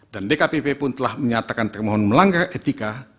dan dkpp pun telah menyatakan termohon melanggar etika